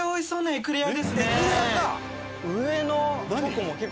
エクレア。